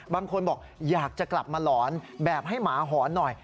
บางคนบอกอยากจะกลับมาหลอนแบบให้หมาหอนหน่อย